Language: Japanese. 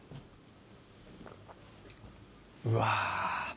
うわ。